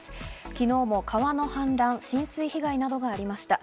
昨日も川の氾濫、浸水被害などがありました。